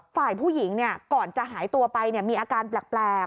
ฝ่ายผู้หญิงก่อนจะหายตัวไปมีอาการแปลก